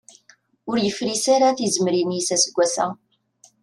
Ur yefris ara tizemmrin-is aseggas-a.